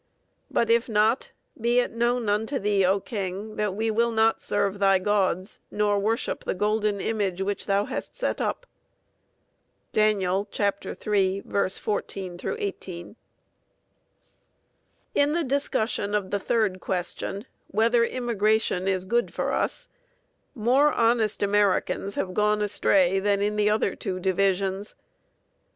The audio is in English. But if not, be it known unto thee, O king, that we will not serve thy gods, nor worship the golden image which thou hast set up. Dan. iii, 14 18. In the discussion of the third question, whether immigration is good for us, more honest Americans have gone astray than in the other two divisions.